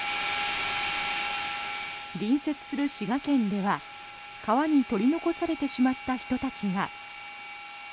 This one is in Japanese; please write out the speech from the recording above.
隣接する滋賀県では川に取り残されてしまった人たちが。